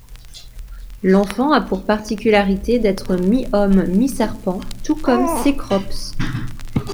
L'enfant a pour particularité d'être mi-homme mi-serpent, tout comme Cécrops.